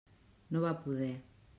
No va poder.